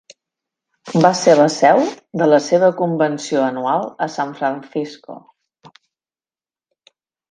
Va ser la seu de la seva convenció anual a San Francisco.